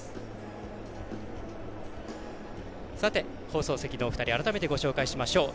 放送席のお二人改めてご紹介しましょう。